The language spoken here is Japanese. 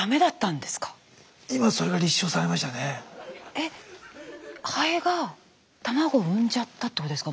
えっハエが卵を産んじゃったってことですか？